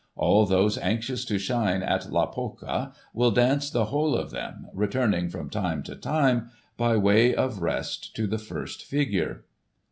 All those anxious to shine in La Polka, will dance the whole of them, returning from time to time, by way of rest, to the first figure.